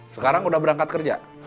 sekarang udah berangkat kerja